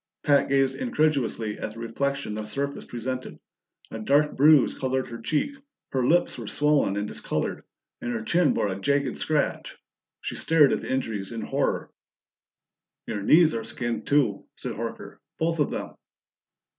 Pat gazed incredulously at the reflection the surface presented; a dark bruise colored her cheek, her lips were swollen and discolored, and her chin bore a jagged scratch. She stared at the injuries in horror. "Your knees are skinned, too," said Horker. "Both of them."